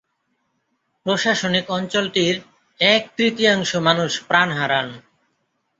প্রশাসনিক অঞ্চলটির এক তৃতীয়াংশ মানুষ প্রাণ হারান।